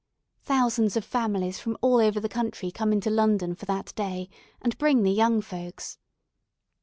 Thousands of families from all over the country come into London for that day, and bring the young folks.